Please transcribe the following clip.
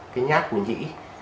cái nhát của nhĩ